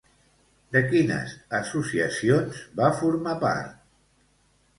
De quines associacions va formar part?